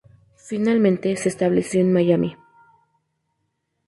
Finalmente, se estableció en Miami.